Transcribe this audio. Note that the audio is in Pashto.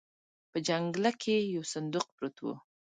په جنګله کې يو صندوق پروت و.